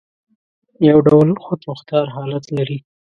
یو ډول خودمختار حالت لري.